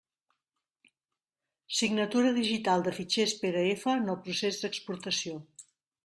Signatura digital de fitxers PDF en el procés d'exportació.